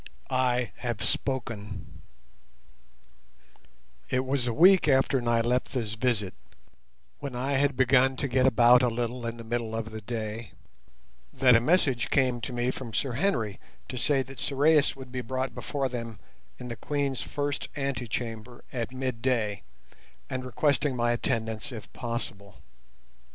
I HAVE SPOKEN It was a week after Nyleptha's visit, when I had begun to get about a little in the middle of the day, that a message came to me from Sir Henry to say that Sorais would be brought before them in the Queen's first antechamber at midday, and requesting my attendance if possible.